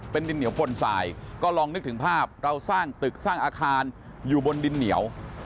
เป็นดินเหนียวปนสายก็ลองนึกถึงภาพเราสร้างตึกสร้างอาคารอยู่บนดินเหนียว